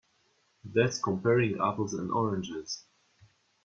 That's comparing apples and oranges.